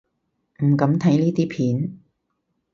唔敢睇呢啲片